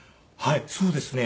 そうですね。